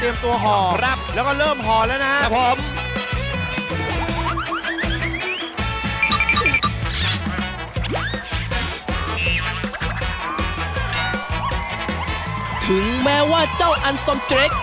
นี่จะทำได้ไม่ยากนัก